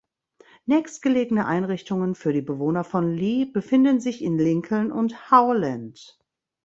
Nächstgelegene Einrichtungen für die Bewohner von Lee befinden sich in Lincoln und Howland.